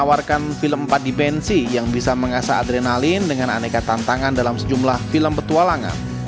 menawarkan film empat dimensi yang bisa mengasah adrenalin dengan aneka tantangan dalam sejumlah film petualangan